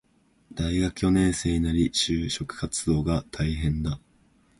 大学四年生なり、就職活動が大変だ